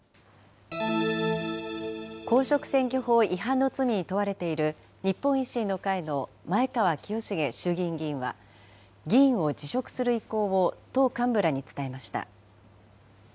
公職選挙法違反の罪に問われている日本維新の会の前川清成衆議院議員は議員を辞職する意向を党幹部らに伝えました。